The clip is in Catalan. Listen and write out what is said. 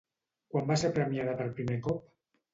Quan va ser premiada per primer cop?